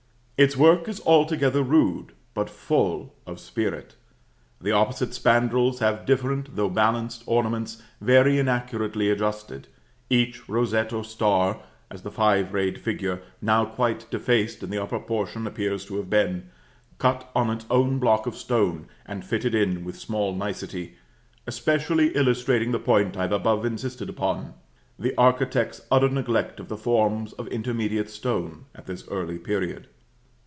Its work is altogether rude, but full of spirit; the opposite spandrils have different, though balanced, ornaments very inaccurately adjusted, each rosette or star (as the five rayed figure, now quite defaced, in the upper portion appears to have been) cut on its own block of stone and fitted in with small nicety, especially illustrating the point I have above insisted upon the architect's utter neglect of the forms of intermediate stone, at this early period.